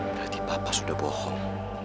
berarti papa sudah bohong